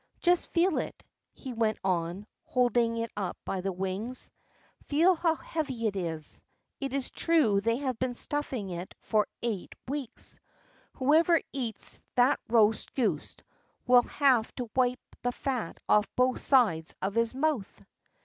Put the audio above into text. "Just feel it," he went on, holding it up by the wings. "Feel how heavy it is; it's true they have been stuffing it for eight weeks. Whoever eats that roast goose will have to wipe the fat off both sides of his mouth."